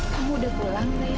kamu udah pulang zahira